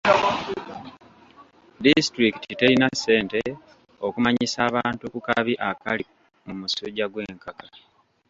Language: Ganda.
Disitulikiti terina ssente okumanyisa abantu ku kabi akali mu musujja gw'enkaka.